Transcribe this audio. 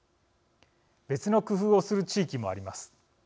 別の工夫をする地域もあります。